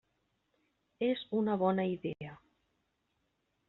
És una bona idea.